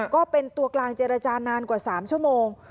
ก็เป็นตัวกลางเจรจานานกว่า๓ชั่วโมง